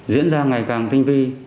diễn ra ngày càng tinh vi